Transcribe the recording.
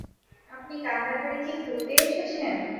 আপনি কান্দাহারে কি ঘুরতে এসেছেন?